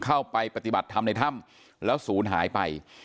เข้าไปปฏิบัติธรรมในถ้ำแล้วศูนย์หายไป